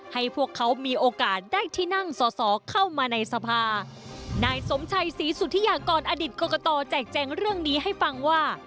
ให้พวกเขามีโอกาสได้ที่นั่งสอสอเข้ามาในสภานายสมชัยศรีสุธิยากรอดิตกรกตแจกแจงเรื่องนี้ให้ฟังว่า